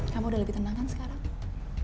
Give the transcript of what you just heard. kamu udah lebih tenang kan sekarang